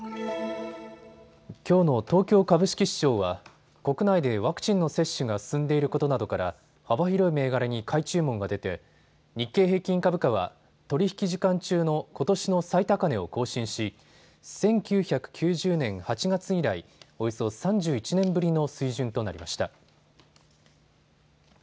きょうの東京株式市場は国内でワクチンの接種が進んでいることなどから幅広い銘柄に買い注文が出て日経平均株価は取り引き時間中のことしの最高値を更新し１９９０年８月以来、およそ３１年ぶりの水準となりました。